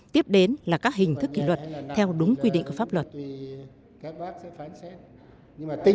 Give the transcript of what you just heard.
tiếp đến là các hình thức kỷ luật theo đúng quy định của pháp luật